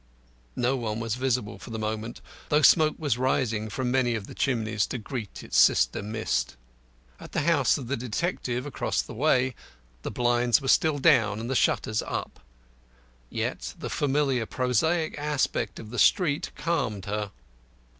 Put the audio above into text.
No one was visible for the moment, though smoke was rising from many of the chimneys to greet its sister mist. At the house of the detective across the way the blinds were still down and the shutters up. Yet the familiar, prosaic aspect of the street calmed her.